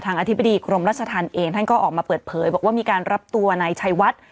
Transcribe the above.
อธิบดีกรมราชธรรมเองท่านก็ออกมาเปิดเผยบอกว่ามีการรับตัวนายชัยวัด